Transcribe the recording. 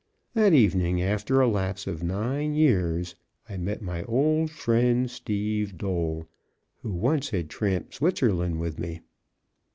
That evening, after a lapse of nine years, I met my old friend, Steve D , who once had tramped Switzerland with me.